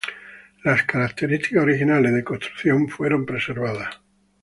Las características originales de construcción fueron preservadas.